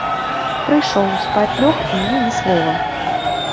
Прыйшоў, спаць лёг і мне ні слова.